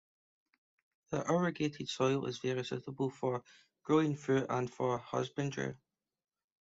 The irrigated soil is very suitable for growing fruit and for husbandry.